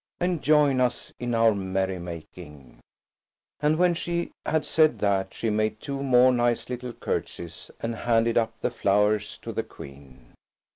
And join us in our merrymaking." And when she had said that she made two more nice little curtsies and handed up the flowers to the Queen.